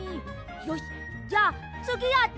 よしじゃあつぎやって！